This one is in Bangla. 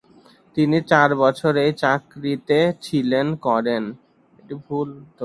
তিনি চার বছর এই চাকরিতে ছিলেন করেন।